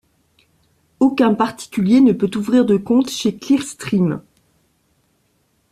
Aucun particulier ne peut ouvrir de compte chez Clearstream.